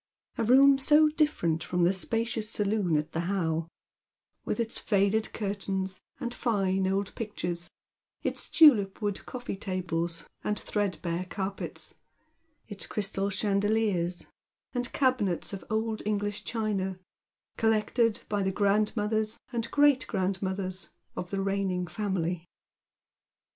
A room so different from the spacious saloon at the How, with its faded curtains and fine old pictures, its tulipwood coffee tables and threadbare carpets, its crystal chandeliers, and cabinets of old English china, collected by the grandmothers and great grandmothers of the reigning family.